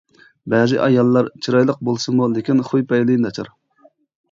بەزى ئاياللار چىرايلىق بولسىمۇ لېكىن خۇي-پەيلى ناچار.